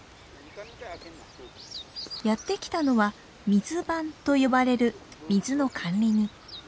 やって来たのは「水番」と呼ばれる水の管理人。